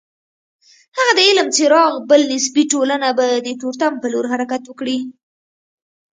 که د علم څراغ بل نسي ټولنه به د تورتم په لور حرکت وکړي.